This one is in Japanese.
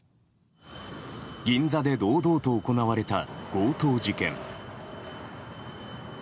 銀座で堂々と行われた強盗事件。